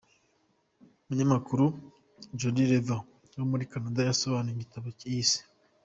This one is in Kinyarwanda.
Umunyamakuru Judi Rever, wo muri Canada, yasohoye igitabo yise: